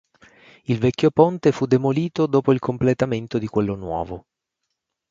Il vecchio ponte fu demolito dopo il completamento di quello nuovo.